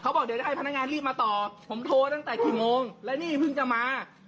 บอกเดี๋ยวจะให้พนักงานรีบมาต่อผมโทรตั้งแต่กี่โมงและนี่เพิ่งจะมา